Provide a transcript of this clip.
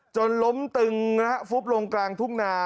จนล้มตึงนะฮะฟุบลงกลางทุ่งนา